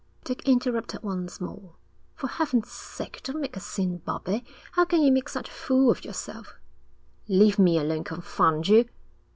Dick interrupted once more. 'For heaven's sake don't make a scene, Bobbie. How can you make such a fool of yourself?' 'Leave me alone, confound you!'